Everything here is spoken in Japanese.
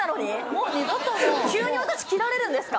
もう二度ともう急に私切られるんですか？